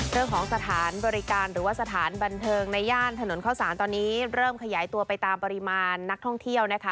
เรื่องของสถานบริการหรือว่าสถานบันเทิงในย่านถนนเข้าสารตอนนี้เริ่มขยายตัวไปตามปริมาณนักท่องเที่ยวนะคะ